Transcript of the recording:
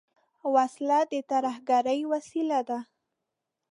وسله د ترهګرۍ وسیله ده